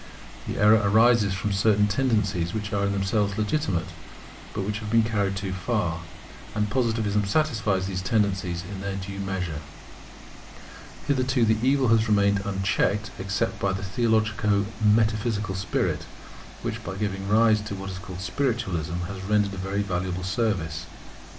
The error arises from certain tendencies which are in themselves legitimate, but which have been carried too far; and Positivism satisfies these tendencies in their due measure. Hitherto the evil has remained unchecked, except by the theologico metaphysical spirit, which, by giving rise to what is called Spiritualism, has rendered a very valuable service.